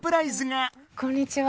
こんにちは！